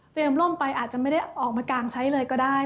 ร่มไปอาจจะไม่ได้ออกมากางใช้เลยก็ได้